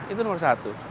itu nomor satu